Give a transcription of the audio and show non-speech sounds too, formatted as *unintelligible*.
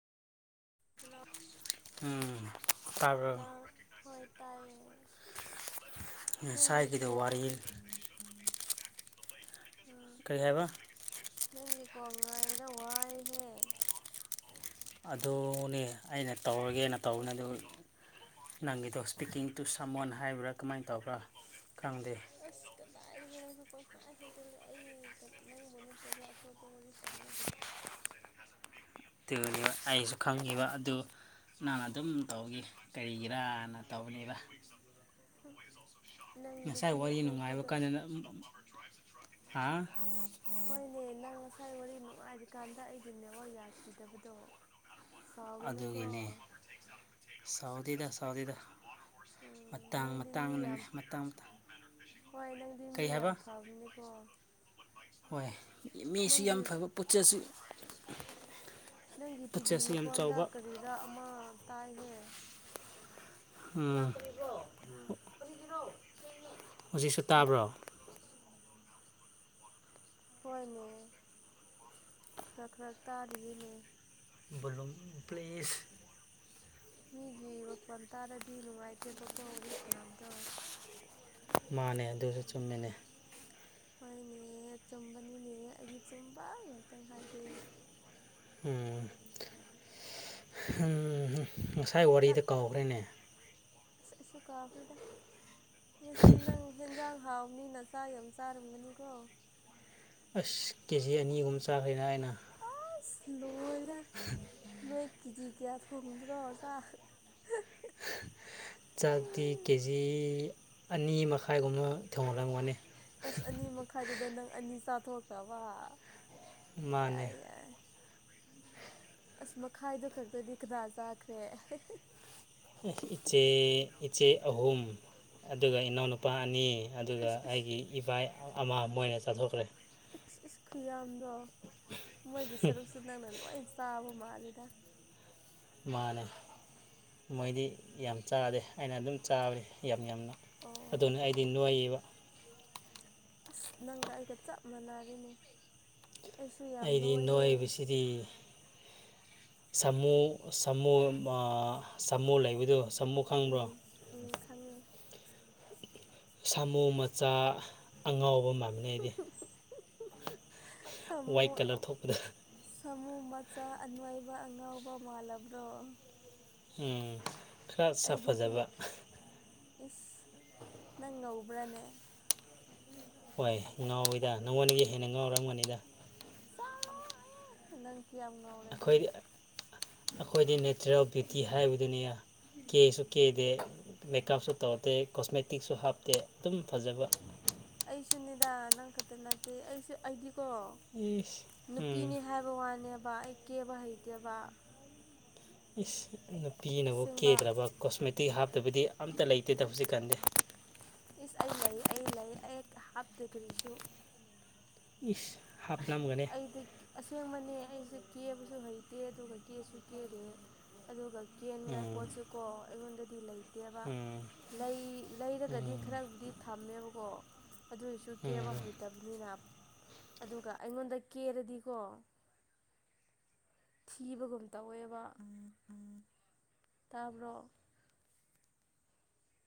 ꯍꯜꯂꫭ ꯎꯝ ꯇꯥꯕ꯭ꯔꯣ ꯇ ꯍꫭꯏ ꯇꯥꯏꯌꯦ ꯅꯪꯒꯤ ꯉꯁꯥꯏꯒꯤꯗꯣ ꯀꯣ ꯋꯥꯔꯤ ꯑ ꯀꯔꯤ ꯍꯥꯏꯕ ꯅꯪꯒꯤꯀꯣ ꯉꯥꯏꯕꯗ ꯋꯥꯏꯍꯦ ꯑꯗꯨꯅꯦ ꯑꯩꯅ ꯇꯧꯔꯒꯦꯅ ꯇꯧꯕꯅꯦ ꯑꯗꯨ ꯅꯪꯒꯤꯗꯣ ꯏꯁꯄꯤꯀꯤꯡ ꯇꯨ ꯁꯝꯃꯟ ꯍꯥꯏꯕ꯭ꯔꯥ ꯀꯃꯥꯏꯅ ꯇꯧꯕ꯭ꯔꯥ ꯈꯪꯗꯦ ꯑꯁ ꯀꯗꯥꯏꯗꯒꯤ ꯅꯪꯁꯨ ꯄꯪꯍꯥꯏ ꯍꯦꯏꯖꯜꯂꯦ ꯑꯩ ꯅꯪꯕꯨ ꯅꯠꯇꯕ ꯑꯇꯣꯞꯄ ꯋꯥꯔꯤ ꯁꯥꯟꯅꯗꯦ *unintelligible* ꯑꯩꯁꯨ ꯈꯪꯉꯤꯕ ꯑꯗꯨ ꯅꯪ ꯑꯗꯨꯝ ꯇꯧꯅꯤ ꯀꯔꯤꯒꯤꯔꯅ ꯇꯧꯅꯦꯕ *unintelligible* ꯉꯁꯥꯏ ꯅꯨꯄꯤ ꯋꯥꯔꯤ ꯅꯨꯡꯉꯥꯏꯕ ꯑꯇꯣꯞꯄꯗꯣ ꯀꯥꯟꯗꯅ ꯍꯥ ꯍꯣꯏꯅꯦ ꯅꯪ ꯉꯁꯥꯏ ꯋꯥꯔꯤ ꯅꯨꯡꯉꯥꯏꯔꯤꯀꯥꯟꯗ ꯑꯩꯒꯤ ꯅꯦꯋꯥꯛ ꯌꯥꯈꯤꯗꯕꯗꯣ ꯁꯥꯎꯒꯅꯨꯀꯣ ꯑꯗꯨꯒꯤꯅꯤ ꯁꯥꯎꯗꯤꯗ ꯁꯥꯎꯗꯤꯗ ꯎꯝ ꯃꯇꯥꯡ ꯅꯪꯗꯤ ꯃꯤ ꯃꯇꯥꯡꯅꯅꯦ ꯌꯥꯝ ꯃꯇꯥꯡ ꯃꯇꯥꯡ ꯍꯣꯏ ꯅꯪꯗꯤ ꯀꯔꯤ ꯃꯤ ꯍꯥꯏꯕ ꯌꯥꯝ ꯐꯕꯅꯦꯀꯣ ꯍꯣꯏ ꯃꯤꯁꯨ ꯌꯥꯝ ꯅꯪꯒꯤ ꯐꯕ ꯄꯨꯆꯦꯜꯁꯨ ꯅꯪꯒꯤ ꯇꯤꯚꯤ ꯃꯈꯣꯟꯗ ꯀꯔꯤꯔ ꯑꯃ ꯇꯥꯏꯍꯦ ꯎꯝ ꯍꯧꯖꯤꯛꯁꯨ ꯇꯥꯕ꯭ꯔꯣ ꯍꯣꯏꯅꯦ ꯈꯔ ꯈꯔ ꯇꯥꯔꯤꯌꯦꯅꯦ ꯕꯣꯂꯨꯝ ꯄ꯭ꯂꯤꯁ ꯃꯤꯒꯤ ꯋꯥꯈꯣꯟ ꯇꯥꯔꯗꯤ ꯅꯨꯡꯉꯥꯏꯇꯦꯕꯀꯣ ꯋꯥꯔꯤ ꯁꯥꯅꯥꯕꯗꯣ ꯃꯥꯅꯦ ꯑꯗꯨꯁꯨ ꯆꯨꯝꯃꯤꯅꯦ ꯍꯣꯏꯅꯦ ꯑꯆꯨꯝꯕꯅꯤꯅꯦ ꯑꯩꯗꯤ ꯆꯨꯝꯕ ꯉꯍꯥꯛꯇꯪ ꯍꯥꯏꯒꯦ ꯎꯝ *unintelligible* ꯉꯁꯥꯏ ꯋꯥꯔꯤꯗ ꯀꯥꯎꯈ꯭ꯔꯦꯅꯦ ꯁꯁ ꯧꯍꯩꯀꯥꯐꯗ ꯉꯁꯤꯗꯤ ꯅꯪ ꯍꯦꯟꯖꯥꯡ ꯍꯥꯎꯕꯅꯤꯅ ꯆꯥꯛ ꯌꯥꯝ ꯆꯥꯔꯝꯒꯅꯤꯀꯣ ꯑꯁ ꯀꯦꯖꯤ ꯑꯅꯤ ꯑꯍꯨꯝ ꯆꯥꯈꯦꯅ ꯑꯩꯅ ꯑꯁ ꯂꯣꯏꯔꯦ ꯅꯣꯏ ꯀꯦꯖꯤ ꯀꯌꯥ ꯊꯣꯡꯕ꯭ꯔꯣ ꯆꯥꯛ ꯆꯥꯛꯇꯤ ꯀꯦꯖꯤ ꯑꯅꯤ ꯃꯈꯥꯏꯒꯨꯝꯕ ꯊꯣꯡꯍꯜꯂꯝꯒꯅꯤ ꯑꯁ ꯑꯅꯤ ꯃꯈꯥꯏꯗꯨꯗ ꯅꯪ ꯑꯅꯤ ꯆꯥꯊꯣꯛꯇꯕ ꯃꯥꯅꯦ ꯌꯥꯏ ꯌꯥꯏ ꯑꯁ ꯃꯈꯥꯏꯗꯨ ꯈꯛꯇꯗꯤ ꯀꯗꯥ ꯆꯥꯈ꯭ꯔꯦ ꯑꯩ ꯏꯆꯦ ꯏꯆꯦ ꯑꯍꯨꯝ ꯑꯗꯨꯒ ꯏꯅꯥꯎꯅꯨꯄꯥ ꯑꯅꯤ ꯑꯗꯨꯒ ꯑꯁ ꯑꯁ ꯑꯩꯒꯤ ꯏꯄꯥ ꯑꯃ ꯃꯣꯏꯅ ꯆꯠꯊꯣꯛꯈ꯭ꯔꯦ ꯏꯁ ꯏꯁ ꯈꯨꯌꯥꯝꯗꯣ ꯃꯣꯏꯒꯤ ꯁꯔꯨꯛꯁꯨ ꯅꯪꯅ ꯂꯣꯏ ꯆꯥꯕ ꯃꯥꯂꯦꯗ ꯃꯥꯅꯦ ꯃꯣꯏꯗꯤ ꯌꯥꯝ ꯆꯥꯗꯦ ꯑꯩꯅ ꯑꯗꯨꯝ ꯆꯥꯕꯅꯤ ꯌꯥꯝ ꯌꯥꯝꯅ ꯑꯗꯨꯅ ꯑꯣ ꯑꯩꯗꯤ ꯅꯨꯡꯉꯥꯏꯕ ꯑꯁ ꯅꯪꯒ ꯑꯩꯒ ꯆꯞ ꯃꯥꯟꯅꯔꯤꯅꯤ ꯑꯩꯗꯤ ꯅꯥꯏꯕꯁꯤꯗꯤ ꯁꯥꯃꯨ ꯁꯥꯃꯨ ꯁꯥꯃꯨ ꯂꯩꯕꯗꯣ ꯁꯥꯃꯨ ꯈꯪꯕ꯭ꯔꯣ ꯎ ꯈꯉꯤ ꯁꯥꯃꯨ ꯃꯆꯥ ꯑꯉꯥꯎꯕ ꯃꯥꯃꯤꯅꯦ ꯑꯩꯗꯤ ꯁꯃꯨ ꯋꯥꯏꯠ ꯀꯂꯔ ꯊꯣꯛꯄꯗꯣ ꯁꯥꯃꯨ ꯃꯆꯥ ꯑꯟꯏꯕ ꯑꯉꯥꯎꯕ ꯃꯥꯜꯂꯕ꯭ꯔꯣ ꯎꯝ ꯈꯔ ꯁꯛ ꯑꯩꯗꯤꯀꯣ ꯐꯖꯕ ꯏꯁ ꯅꯪ ꯉꯧꯕ꯭ꯔꯅꯦ ꯍꯣꯏ ꯉꯥꯎꯋꯤꯗ ꯅꯪꯉꯣꯟꯗꯒꯤ ꯍꯦꯟꯅ ꯉꯥꯎꯔꯝꯒꯅꯤꯗ ꯆꯂ ꯅꯪ ꯀ ꯌꯥꯝ ꯑꯩꯈꯣꯏꯗꯤ ꯑꯩꯈꯣꯏꯗꯤ ꯅꯦꯆꯔꯦꯜ ꯕ꯭ꯌꯨꯇꯤ ꯍꯥꯏꯕꯗꯨꯅꯤ ꯀꯦꯁꯨ ꯀꯦꯗꯦ ꯃꯦꯀꯞꯁꯨ ꯇꯧꯗꯦ ꯀꯣꯁꯃꯦꯇꯤꯛꯁꯨ ꯍꯥꯞꯇꯦ ꯑꯗꯨꯝ ꯐꯖꯕ ꯑꯩꯁꯨ ꯅꯦꯗꯥ ꯅꯪ ꯈꯛꯇ ꯅꯠꯇꯦ ꯑꯩꯁꯨ ꯑꯩꯗꯤꯀꯣ ꯏꯁ ꯎꯝ ꯅꯨꯄꯤꯅꯤ ꯍꯥꯏꯕ ꯋꯥꯅꯦꯕ ꯑꯩ ꯀꯦꯕ ꯍꯩꯇꯦꯕ ꯏꯁ ꯅꯨꯄꯤꯅꯕꯨ ꯑꯁꯦꯡꯕ ꯀꯦꯗ꯭ꯔꯕ ꯀꯣꯁꯃꯦꯇꯤꯛ ꯍꯥꯞꯇꯕꯗꯤ ꯑꯝꯇ ꯂꯩꯇꯦꯗ ꯍꯧꯖꯤꯛ ꯀꯥꯟꯗꯤ ꯏꯁ ꯑꯩ ꯂꯩ ꯑꯩ ꯂꯩ ꯑꯩ ꯍꯥꯞꯇꯦ ꯀꯔꯤꯁꯨ ꯏꯁ ꯍꯥꯞꯂꯝꯒꯅꯦ ꯑꯩꯗꯤ ꯑꯁꯦꯡꯕꯅꯦ ꯑꯩꯁꯦ ꯀꯦꯕꯁꯨ ꯍꯩꯇꯦ ꯑꯗꯨꯒ ꯀꯦꯁꯨ ꯀꯦꯗꯦ ꯑꯗꯨꯒ ꯀꯦꯟꯉꯥꯏ ꯎꯝ ꯄꯣꯠꯁꯨꯀꯣ ꯑꯩꯉꯣꯟꯗꯗꯤ ꯂꯩꯇꯦ ꯂꯩꯠꯇꯦꯕ ꯎꯝ ꯂꯩꯔꯒꯗꯤ ꯎꯝ ꯈꯔꯕꯨꯗꯤ ꯊꯝꯃꯦꯕꯀꯣ ꯑꯗꯨ ꯁꯨ ꯀꯦꯕ ꯎꯝ ꯍꯩꯇꯕꯅꯤꯅ ꯑꯗꯨꯒ ꯑꯩꯉꯣꯟꯗ ꯀꯦꯔꯗꯤꯀꯣ ꯊꯤꯕꯒꯨꯝ ꯇꯧꯋꯦꯕ ꯎ ꯎꯝ ꯇꯥꯕ꯭ꯔꯣ